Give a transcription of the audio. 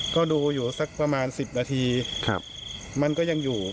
ก็ดูอยู่สักประมาณ๑๐นาทีมันก็ยังอยู่